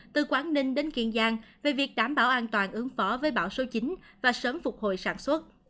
từ quảng ninh đến kiên giang về việc đảm bảo an toàn ứng phó với bão số chín và sớm phục hồi sản xuất